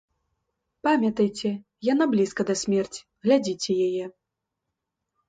Памятайце, яна блізка да смерці, глядзіце яе.